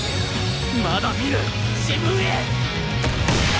まだ見ぬ自分へ！